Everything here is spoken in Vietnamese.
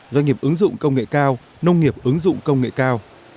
doanh nghiệp ứng dụng công nghệ cao nông nghiệp ứng dụng công nghệ cao